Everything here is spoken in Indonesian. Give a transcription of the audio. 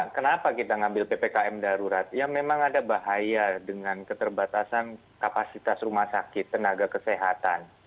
kenapa kita ngambil ppkm darurat ya memang ada bahaya dengan keterbatasan kapasitas rumah sakit tenaga kesehatan